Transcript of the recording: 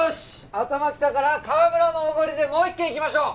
頭きたから川村のおごりでもう一軒行きましょう！